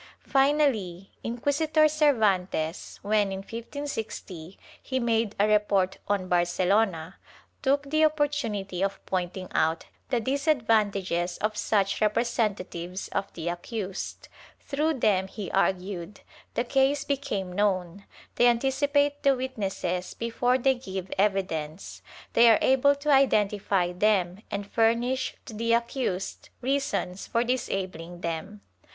Finally Inquisitor Cervantes, when in 1560 he made a report on Barcelona, took the opportunity of pointing out the disadvantages of such representatives of the accused; through them, he argued, the case became known, they anticipate the witnesses before they give evidence, they are able to identify them and furnish to the accused reasons for disabling them.